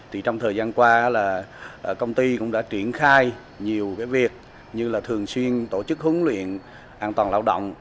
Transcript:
thì trong thời gian qua là công ty cũng đã triển khai nhiều cái việc như là thường xuyên tổ chức huấn luyện an toàn lao động